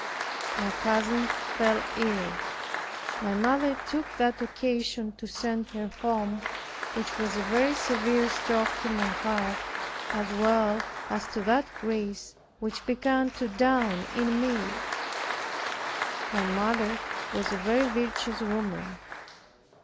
My cousin fell ill. My mother took that occasion to send her home, which was a very severe stroke to my heart, as well as to that grace which began to dawn in me. My mother was a very virtuous woman.